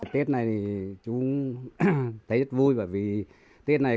tết này chúng thấy rất vui bởi vì tết này